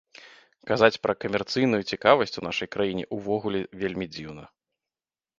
Казаць пра камерцыйную цікавасць у нашай краіне увогуле вельмі дзіўна.